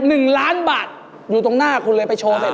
คอนเสิร์ตใหญ่๑ล้านบาทอยู่ตรงหน้าคุณเลยไปโชว์ได้เหรอ